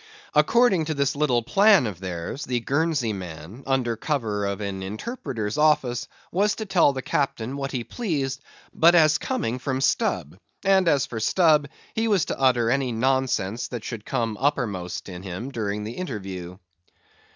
According to this little plan of theirs, the Guernsey man, under cover of an interpreter's office, was to tell the Captain what he pleased, but as coming from Stubb; and as for Stubb, he was to utter any nonsense that should come uppermost in him during the interview.